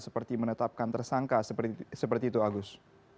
seperti menetapkan tersangka seperti itu agus